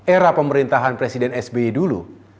era pemerintahan presiden sby dulu